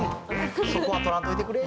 そこは取らんといてくれ。